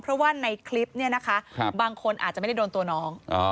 เพราะว่าในคลิปเนี่ยนะคะบางคนอาจจะไม่ได้โดนตัวน้อง